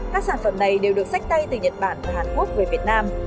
các sản phẩm này đều được sách tay từ nhật bản và hàn quốc về việt nam